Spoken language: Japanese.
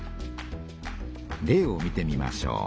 例を見てみましょう。